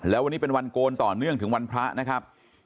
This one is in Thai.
แล้ววันนี้เป็นวันโกนต่อเนื่องถึงวันพระนะครับ